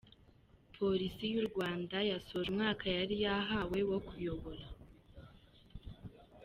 Polisi y’u Rwanda yasoje umwaka yari yahawe wo kuyobora